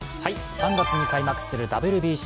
３月に開幕するＷＢＣ。